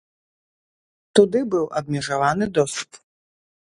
Туды быў абмежаваны доступ.